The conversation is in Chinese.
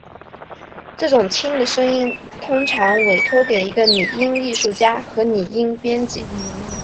这种轻的声音通常委托给一个拟音艺术家和拟音编辑。